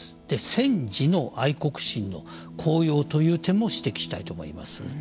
戦時の愛国心の高揚という点も指摘したいと思います。